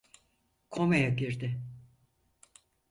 Komaya girdi.